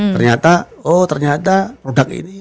ternyata oh ternyata produk ini